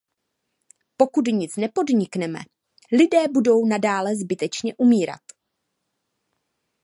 Pokud nic nepodnikneme, lidé budou nadále zbytečně umírat.